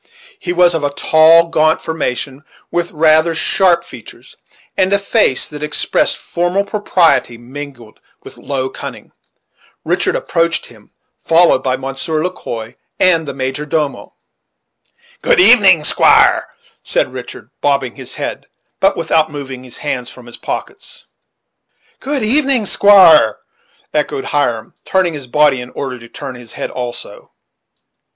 He was of a tall, gaunt formation, with rather sharp features, and a face that expressed formal propriety mingled with low cunning. Richard approached him, followed by Monsieur Le Quoi and the major domo. "Good evening, squire," said Richard, bobbing his head, but without moving his hands from his pockets. "Good evening, squire," echoed Hiram, turning his body in order to turn his head also.